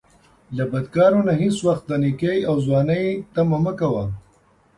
له بدکارو نه هیڅ وخت د نیکۍ او ځوانۍ طمعه مه کوه